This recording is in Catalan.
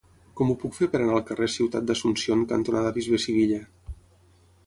Com ho puc fer per anar al carrer Ciutat d'Asunción cantonada Bisbe Sivilla?